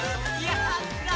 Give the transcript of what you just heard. やった！